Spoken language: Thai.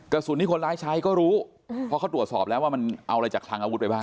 กระสุนที่คนร้ายใช้ก็รู้เพราะเขาตรวจสอบแล้วว่ามันเอาอะไรจากคลังอาวุธไปบ้าง